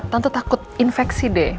tante takut infeksi deh